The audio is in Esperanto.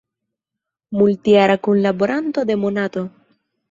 Multjara kunlaboranto de "Monato".